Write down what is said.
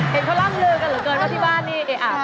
เห็นเขาร่ำลือกันเหลือเกินว่าที่บ้านนี่